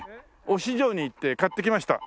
忍城に行って買ってきました。